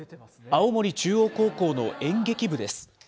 青森中央高校の演劇部です。